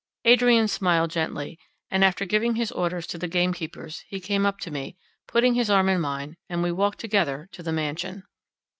Adrian smiled gently; and after giving his orders to the gamekeepers, he came up to me; putting his arm in mine, we walked together to the mansion.